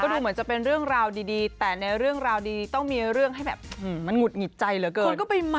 ดูเหมือนจะเป็นเรื่องราวดีแต่ในเรื่องราวดีต้องมีเรื่องให้แบบมันหุดหงิดใจเหลือเกิน